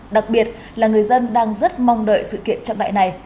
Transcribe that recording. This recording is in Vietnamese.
đặc biệt là người dân đang rất mong đợi sự kiện chậm đại này